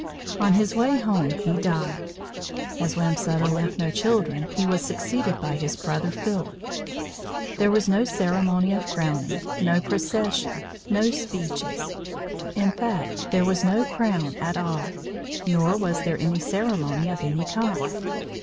On his way home he died. As Wamsutta left no children, he was succeeded by his brother Philip. There was no ceremony of crowning, no procession, no speeches. In fact, there was no crown at all; nor was there any ceremony of any kind.